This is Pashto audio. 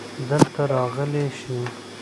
دلته راتللی شې؟